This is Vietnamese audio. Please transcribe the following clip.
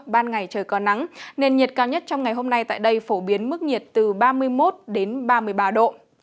ban ngày trời có nắng nền nhiệt cao nhất trong ngày hôm nay tại đây phổ biến mức nhiệt từ ba mươi một đến ba mươi ba độ